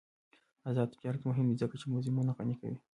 آزاد تجارت مهم دی ځکه چې موزیمونه غني کوي.